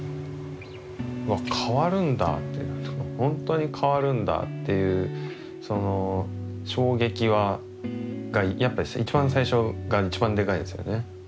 わっ変わるんだってほんとに変わるんだっていうその衝撃はやっぱ一番最初が一番デカイですよね。